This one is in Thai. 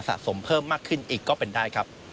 สมเพิ่มมากขึ้นอีกก็เป็นได้ครับ